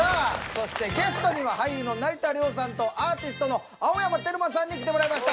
そしてゲストには俳優の成田凌さんとアーティストの青山テルマさんに来てもらいました。